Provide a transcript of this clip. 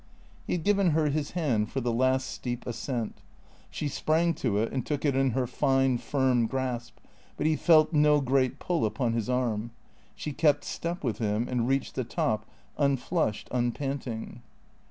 He had given her his hand for the last steep ascent. She sprang to it and took it in her fine, firm grasp ; but he felt no great pull upon his arm. She kept step with him and reached the top unflushed, unpanting.